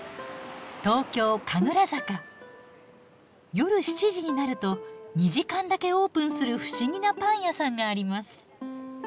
夜７時になると２時間だけオープンする不思議なパン屋さんがあります。